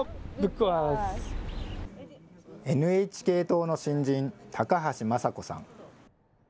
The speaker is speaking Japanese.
ＮＨＫ党の新人、高橋真佐子さん。